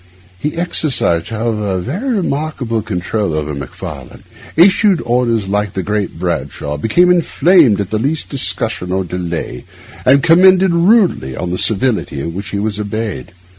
He exercised, however, a very remarkable control over Macfarlane; issued orders like the Great Bashaw; became inflamed at the least discussion or delay, and commented rudely on the servility with which he was obeyed.